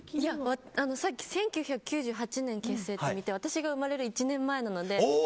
さっき１９９８年結成って見て私が生まれる１年前なので。